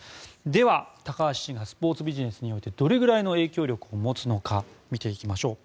では、高橋氏がスポーツビジネスにおいてどれぐらいの影響力を持つのか見ていきましょう。